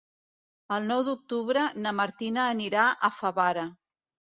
El nou d'octubre na Martina anirà a Favara.